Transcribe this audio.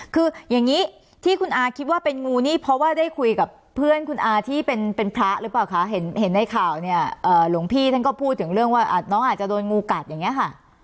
คืออย่างนี้ที่คุณอาคิดว่าเป็นงูนี่เพราะว่าได้คุยกับเพื่อนคุณอาที่เป็นพระหรือเปล่าคะเห็นในข่าวเนี่ยหลวงพี่ท่านก็พูดถึงเรื่องว่าน้องอาจจะโดนงูกัดอย่างนี้ค่ะ